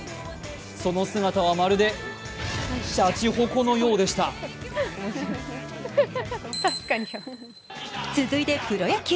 その姿はまるでしゃちほこのようでした続いてプロ野球。